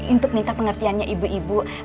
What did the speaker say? untuk minta pengertiannya ibu ibu